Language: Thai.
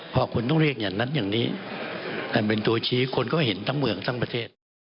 เพราะคุณต้องเรียกอย่างนั้นอย่างนี้แต่เป็นตัวชี้คนก็เห็นทั้งเมืองทั้งประเทศ